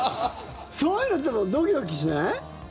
そういうのドキドキしない？